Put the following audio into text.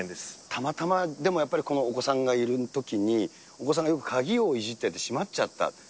たまたまでもやっぱり、お子さんがいるときに、お子さんがよく鍵をいじってて、閉まっちゃった。